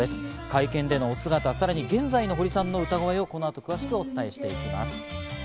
会見でのお姿、さらに現在の堀さんの歌声をこの後、詳しくお伝えしていきます。